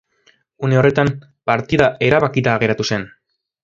Une horretan partida erabakita geratu zen.